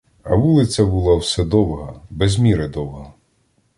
А вулиця була все довга, без міри довга.